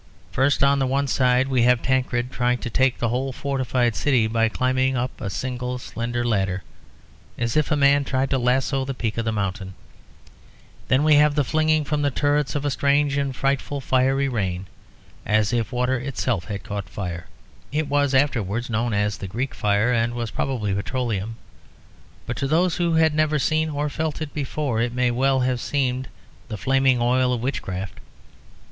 First, on the one side, we have Tancred trying to take the whole fortified city by climbing up a single slender ladder, as if a man tried to lasso the peak of a mountain. Then we have the flinging from the turrets of a strange and frightful fiery rain, as if water itself had caught fire. It was afterwards known as the Greek Fire and was probably petroleum; but to those who had never seen (or felt) it before it may well have seemed the flaming oil of witchcraft.